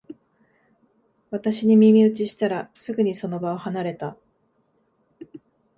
私に耳打ちしたら、すぐにその場を離れた